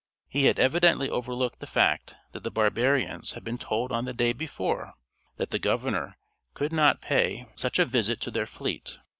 He had evidently overlooked the fact that the barbarians had been told on the day before that the governor could not pay such a visit to their fleet.